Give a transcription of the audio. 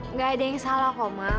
nggak ada yang salah kok ma